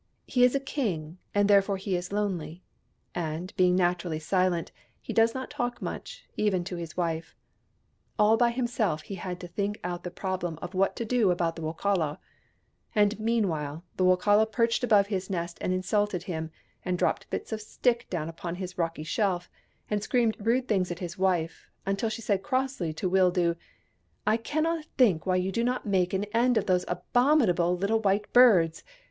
He is a king, and therefore he is lonely : and, being naturally silent, he does not talk much, even to his wife. All by himself he had to think out the problem of what to do about the Wokala ; and, meanwhile, the Wokala perched above his nest and insulted him, and dropped bits of stick down upon his rocky shelf, and screamed rude things at his wife, until she said crossly to Wildoo, " I cannot think why you do not make an end of those abominable little white birds.